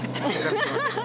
ハハハハ。